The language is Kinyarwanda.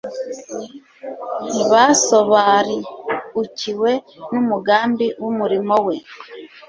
ntibasobariukiwe n'umugambi w'umurimo we.